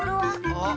あっ。